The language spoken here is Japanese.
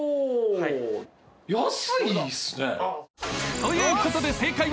［ということで正解は］